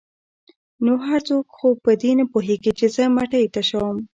ـ نو هر څوک خو په دې نه پوهېږي چې زه مټۍ تشوم.